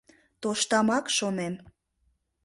Тоштамак, шонем...